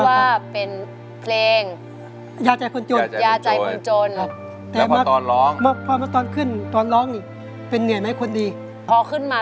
อ๋ออันนั้นยาใจคนจนครับ